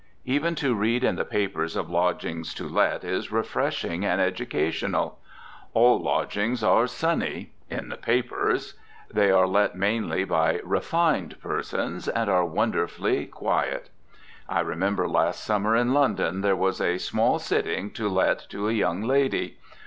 Even to read in the papers of lodgings to let is refreshing and educational. All lodgings are "sunny" in the papers. They are let mainly by "refined" persons, and are wonderfully "quiet." I remember last summer in London there was "a small sitting to let to a young lady."